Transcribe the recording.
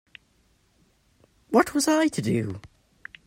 What was I to do?